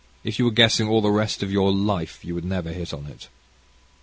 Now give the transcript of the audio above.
If you were guessing all the rest of your life, you will never hit on it."